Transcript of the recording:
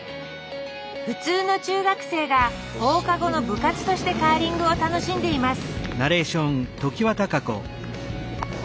普通の中学生が放課後の部活としてカーリングを楽しんでいます